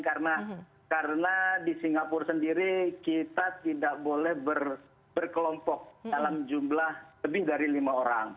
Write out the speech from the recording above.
karena di singapura sendiri kita tidak boleh berkelompok dalam jumlah lebih dari lima orang